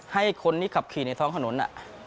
ให้คนที่ขับขี่ในท้องถนน